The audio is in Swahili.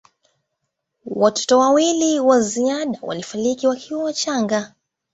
Watoto wawili wa ziada walifariki wakiwa wachanga.